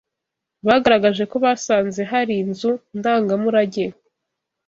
bagaragaje ko basanze hari inzu ndangamurage